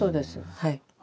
はい。